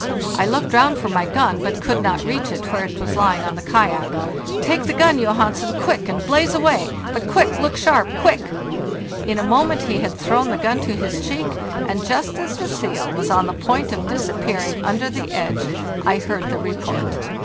I looked round for my gun, but could not reach it where it was lying on the kayak. 'Take the gun, Johansen, quick, and blaze away; but quick! look sharp, quick!' In a moment he had thrown the gun to his cheek, and just as the seal was on the point of disappearing under the edge I heard the report.